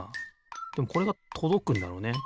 でもこれがとどくんだろうね。